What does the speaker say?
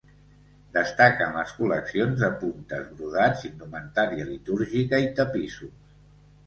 Destaquen les col·leccions de puntes, brodats, indumentària litúrgica i tapissos.